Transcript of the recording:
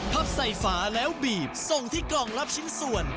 พับใส่ฝาแล้วบีบส่งที่กล่องรับชิ้นส่วน